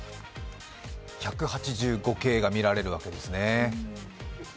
１８５系が見られるわけですね